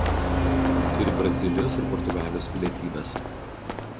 Turi Brazilijos ir Portugalijos pilietybes.